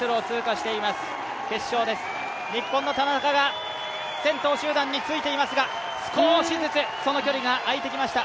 日本の田中が先頭集団についていますが、少しずつ、その距離が空いてきました。